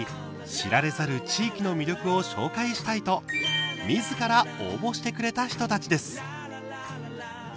知られざる地域の魅力を紹介したいと、みずから応募してくれた人たちです。